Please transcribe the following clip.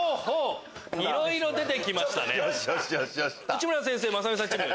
内村先生・雅紀さんチーム。